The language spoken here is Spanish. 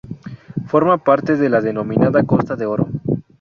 Forma parte de la denominada Costa de Oro.